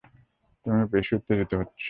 তুমিও বেশি উত্তেজিত হচ্ছ?